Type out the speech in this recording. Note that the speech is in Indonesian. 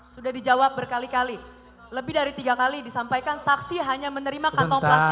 sudah dijawab berkali kali lebih dari tiga kali disampaikan saksi hanya menerima kantong plastik